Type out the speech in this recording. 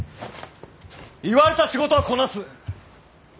言われた仕事はこなす。